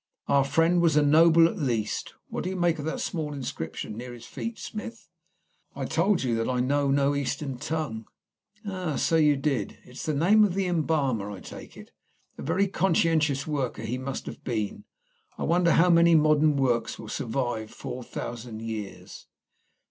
Our friend was a noble at the least. What do you make of that small inscription near his feet, Smith?" "I told you that I know no Eastern tongue." "Ah, so you did. It is the name of the embalmer, I take it. A very conscientious worker he must have been. I wonder how many modern works will survive four thousand years?"